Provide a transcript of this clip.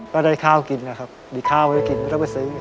ก็ได้ข้าวกินนะครับมีข้าวไม่ได้กินก็ต้องไปซื้อ